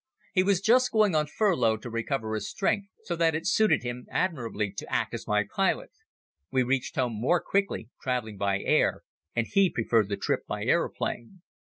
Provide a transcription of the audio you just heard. He was just going on furlough to recover his strength, so that it suited him admirably to act as my pilot. He reached home more quickly traveling by air and he preferred the trip by aeroplane.